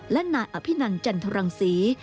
และนายอภินันจันทรังศรี